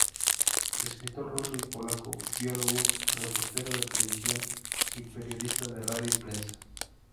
Escritor ruso y polaco, biólogo, reportero de televisión, y periodista de radio y prensa.